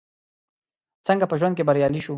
څنګه په ژوند کې بريالي شو ؟